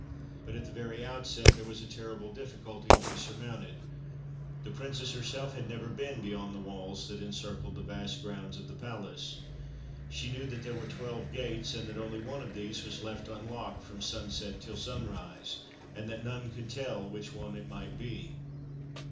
But, at the very outset, there was a terrible difficulty to be surmounted. The Princess herself had never been beyond the walls that encircled the vast grounds of the palace. She knew that there were twelve gates, and that only one of these was left unlocked from sunset till sunrise, and that none could tell which one it might be.